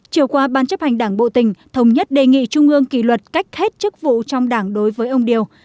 chiều qua ban chấp hành đảng bộ tỉnh thống nhất đề nghị trung ương kỷ luật cách hết chức vụ trong đảng đối với ông điều